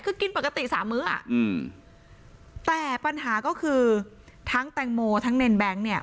คือกินปกติสามมื้ออ่ะอืมแต่ปัญหาก็คือทั้งแตงโมทั้งเนรแบงค์เนี่ย